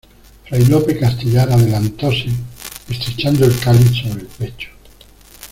fray Lope Castellar adelantóse estrechando el cáliz sobre el pecho: